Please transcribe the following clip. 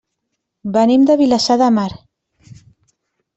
Venim de Vilassar de Mar.